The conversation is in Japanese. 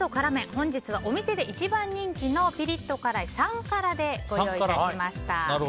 本日はお店で一番人気のピリッと辛い３辛でご用意いたしました。